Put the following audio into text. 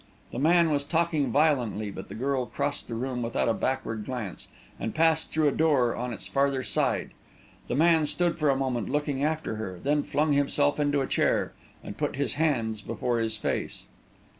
The man was talking violently, but the girl crossed the room without a backward glance, and passed through a door on its farther side. The man stood for a moment looking after her, then flung himself into a chair, and put his hands before his face.